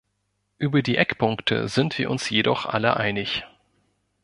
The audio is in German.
Über die Eckpunkte sind wir uns jedoch alle einig.